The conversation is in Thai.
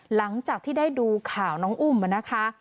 หลังจากที่ได้ดูข่าวน้องอุ้มนะคะ